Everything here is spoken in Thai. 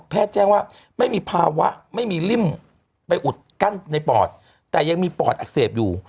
แจ้งว่าไม่มีภาวะไม่มีริ่มไปอุดกั้นในปอดแต่ยังมีปอดอักเสบอยู่